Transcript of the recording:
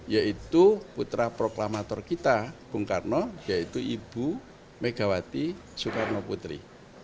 yaitu putra proklamator kita bung karno yaitu ibu megawati soekarno putri